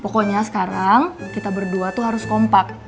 pokoknya sekarang kita berdua tuh harus kompak